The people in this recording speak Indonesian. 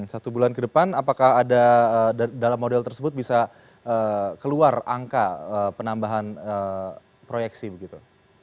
satu bulan ke depan apakah ada dalam model tersebut bisa keluar angka penambahan proyeksi begitu